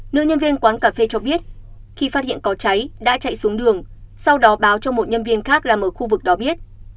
nữ nhân viên quán cà phê cho biết khi phát hiện có cháy đã chạy xuống đường sau đó báo cho một nhân viên khác làm ở khu vực đó biết